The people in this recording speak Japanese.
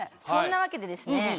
そんなわけでですね